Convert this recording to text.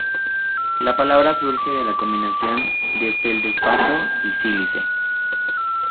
La palabra surge de la combinación de feldespato y sílice.